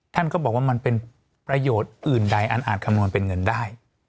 ท่านก็บอกว่ามันเป็นประโยชน์อื่นใดอันอาจคำนวณเป็นเงินได้